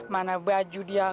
mana baju dia